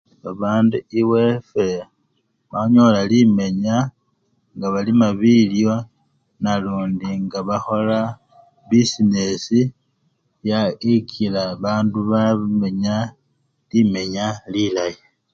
Babandu ewefwe banyola limenya nga balima bilyo nalundi nga bakhola bisinesi bya! ikila bandu bamenya limenya lilayi.